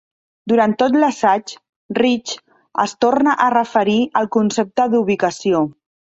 Durant tot l'assaig, Rich es torna a referir al concepte d'ubicació.